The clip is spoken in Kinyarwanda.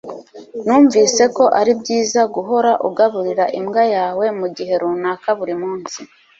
Numvise ko ari byiza guhora ugaburira imbwa yawe mugihe runaka buri munsi